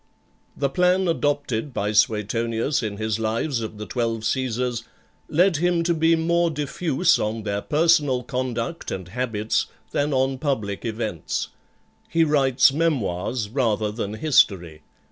The plan adopted by Suetonius in his Lives of the Twelve Caesars, led him to be more diffuse on their personal conduct and habits than on public events. He writes Memoirs rather than History.